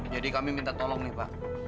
jadi kami minta tolong nih pak